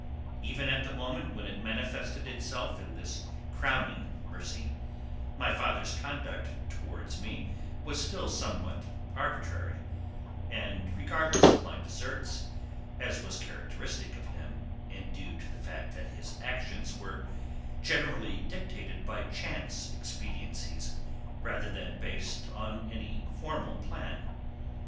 Even at the moment when it manifested itself in this crowning mercy, my father's conduct towards me was still somewhat arbitrary, and regardless of my deserts, as was characteristic of him and due to the fact that his actions were generally dictated by chance expediencies rather than based on any formal plan.